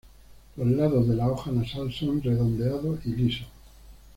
Los lados de la hoja nasal son redondeados y lisos.